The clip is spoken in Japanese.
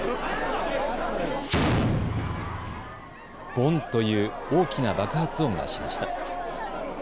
ボンという大きな爆発音がしました。